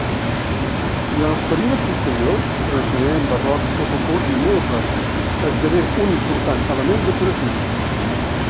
Durant els períodes posteriors, Renaixement, Barroc, Rococó i Neoclàssic, esdevé un important element decoratiu.